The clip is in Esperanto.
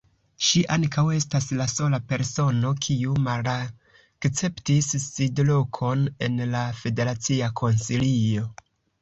Ŝi ankaŭ estas la sola persono, kiu malakceptis sidlokon en la Federacia Konsilio.